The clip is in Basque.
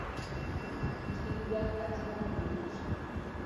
Beste hirurak atzerago gelditu ziren.